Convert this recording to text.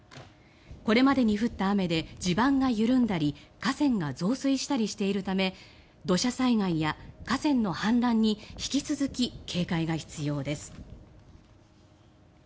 これまでに降った雨で地盤が緩んだり河川が増水したりしているため土砂災害や河川の氾濫に引き続き警戒が必要です。